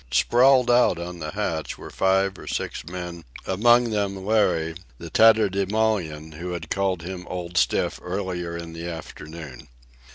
Sprawled out on the hatch were five or six men, among them Larry, the tatterdemalion who had called him "old stiff" earlier in the afternoon.